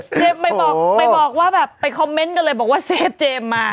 ไปบอกไปบอกว่าแบบไปคอมเมนต์กันเลยบอกว่าเซฟเจมส์มา